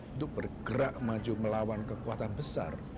untuk bergerak maju melawan kekuatan besar